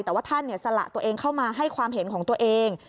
แต่ว่าท่านสละตัวเองเข้ามาให้ความเห็นของตัวเอง